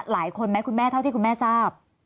หลายคนไหมคุณแม่เท่าที่คุณแม่ทราบ